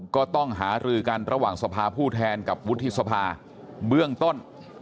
ก็ต้องหารือกันระหว่างสภาผู้แทนกับวุฒิสภาเบื้องต้น